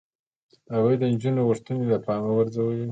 هغوی د نجونو غوښتنې له پامه غورځولې.